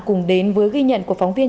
cùng đến với ghi nhận của phóng viên